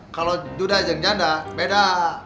kalo duda janda beda